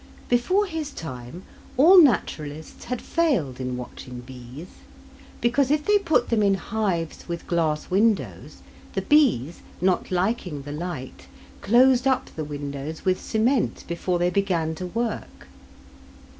Before his time all naturalists had failed in watching bees, because if they put them in hives with glass windows, the bees, not liking the light, closed up the windows with cement before they began to work.